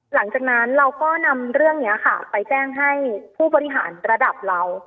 หลังจากนั้นเราก็นำเรื่องนี้ค่ะไปแจ้งให้ผู้บริหารระดับเรา